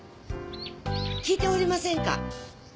聞いておりませんか？